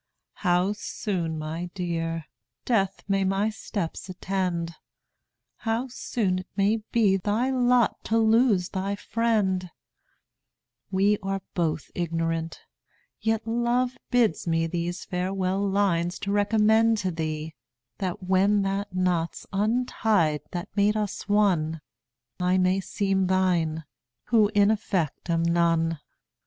How soon, my Dear, death may my steps attend, How soon't may be thy lot to lose thy friend, We both are ignorant, yet love bids me These farewell lines to recommend to thee, That when the knot's untied that made us one, I may seem thine, who in effect am none.